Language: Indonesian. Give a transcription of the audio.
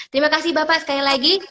terima kasih bapak sekali lagi